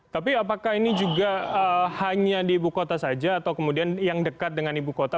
tapi apakah ini juga hanya di ibu kota saja atau kemudian yang dekat dengan ibu kota